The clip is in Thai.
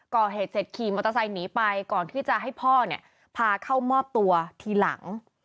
ก่อเหตุเสร็จขี่มอเตอร์ไซค์หนีไปก่อนที่จะให้พ่อเนี่ยพาเข้ามอบตัวทีหลัง